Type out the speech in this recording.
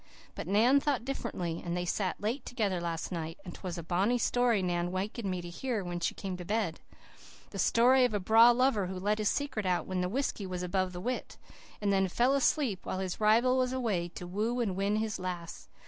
But Nan thought differently, and they sat late together last night, and 'twas a bonny story Nan wakened me to hear when she came to bed the story of a braw lover who let his secret out when the whisky was above the wit, and then fell asleep while his rival was away to woo and win his lass.